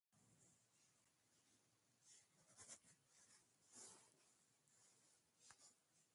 Yow Gujaler Rec̃hner